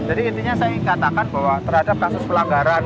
jadi intinya saya ingin katakan bahwa terhadap kasus pelanggaran